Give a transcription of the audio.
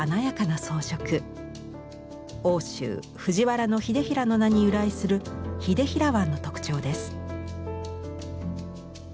奥州藤原秀衡の名に由来する「秀衡椀」の特徴です。